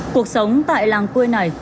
cuộc sống tại làng quê này